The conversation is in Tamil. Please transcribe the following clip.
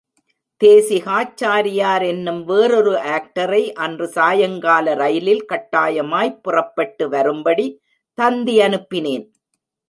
தேசிகாச்சாரியார் என்னும் வேறொரு ஆக்டரை, அன்று சாயங்கால ரயிலில் கட்டாயமாய்ப் புறப்பட்டு வரும்படி தந்தி அனுப்பினேன்.